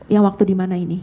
yang waktu dimana ini